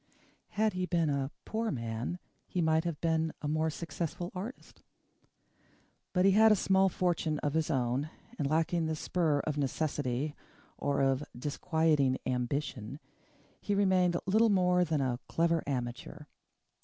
Had he been a poor man he might have been a more successful artist. But he had a small fortune of his own and, lacking the spur of necessity, or of disquieting ambition, he remained little more than a clever amateur.